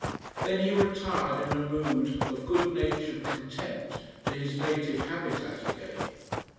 Then he retired in a mood of good natured contempt to his native habitat again.